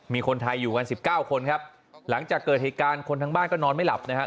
มีคนไทยอยู่กันสิบเก้าคนครับหลังจากเกิดเหตุการณ์คนทั้งบ้านก็นอนไม่หลับนะครับ